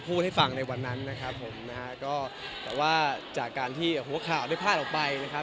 ให้ฟังในวันนั้นนะครับผมนะฮะก็แต่ว่าจากการที่หัวข่าวได้พลาดออกไปนะครับ